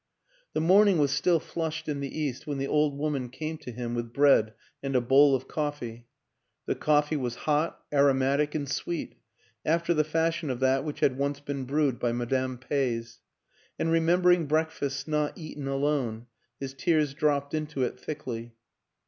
The morning was still flushed in the east when the old woman came to him with bread and a bowl of coffee; the coffee was hot, aromatic and sweet, after the fashion of that which had once been brewed by Madame Pcys and, remember ing breakfasts not eaten alone, his tears dropped Into it thickly.